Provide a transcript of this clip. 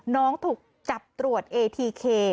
น้องถูกจับตรวจเอทีเค